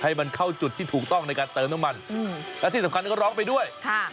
ให้มันเข้าจุดที่ถูกต้องในการเติมน้ำมันอืมและที่สำคัญก็ร้องไปด้วยค่ะ